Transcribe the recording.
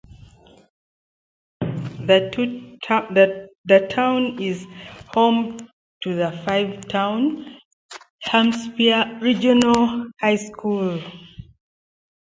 The town is home to the five-town Hampshire Regional High School.